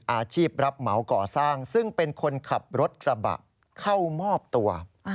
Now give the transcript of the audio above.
อาชีพรับเหมาก่อสร้างซึ่งเป็นคนขับรถกระบะเข้ามอบตัว